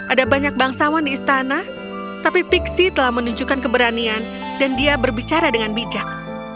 ada banyak bangsawan di istana tapi pixie telah menunjukkan keberanian dan dia berbicara dengan bijak